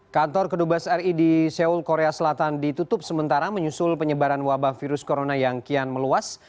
kantor kedubes ri di seoul korea selatan ditutup sementara menyusul penyebaran wabah virus corona yang kian meluas